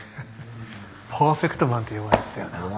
パーフェクトマンって呼ばれてたよな。